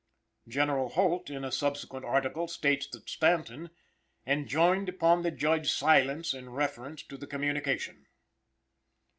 General Holt, in a subsequent article, states that Stanton "enjoined upon the Judge silence in reference to the communication."